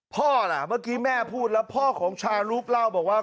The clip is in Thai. ล่ะเมื่อกี้แม่พูดแล้วพ่อของชารูปเล่าบอกว่า